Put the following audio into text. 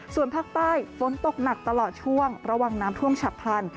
ส่วนภาคใต้ฝนตกหนักตลอดช่วงระวังน้ำท่วมฉับพลัน